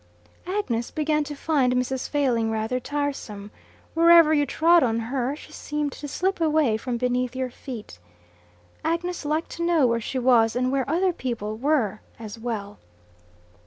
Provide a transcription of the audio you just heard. Agnes began to find Mrs. Failing rather tiresome. Wherever you trod on her, she seemed to slip away from beneath your feet. Agnes liked to know where she was and where other people were as well.